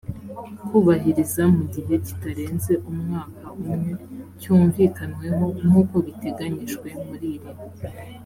kubahiriza mu gihe kitarenze umwaka umwe cyumvikanweho nk uko biteganyijwe muri iri